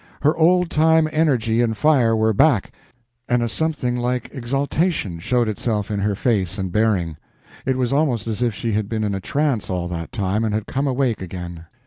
Her old time energy and fire were back, and a something like exaltation showed itself in her face and bearing. It was almost as if she had been in a trance all that time and had come awake again.